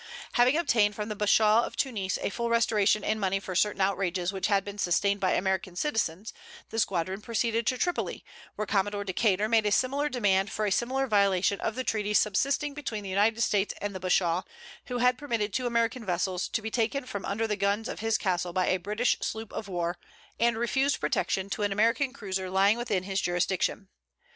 Having obtained from the bashaw of Tunis a full restoration in money for certain outrages which had been sustained by American citizens, the squadron proceeded to Tripoli, where Commodore Decater made a similar demand for a similar violation of the treaty subsisting between the United States and the bashaw, who had permitted two American vessels to be taken from under the guns of his castle by a British sloop of war, and refused protection to an American cruiser lying within his jurisdiction.